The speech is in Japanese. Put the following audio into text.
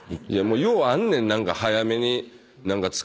ようあんねん。何か。